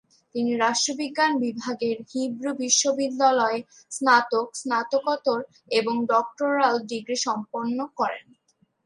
তিনি রাষ্ট্রবিজ্ঞান বিভাগের হিব্রু বিশ্ববিদ্যালয়ে স্নাতক, স্নাতকোত্তর এবং ডক্টরাল ডিগ্রি সম্পন্ন করেন।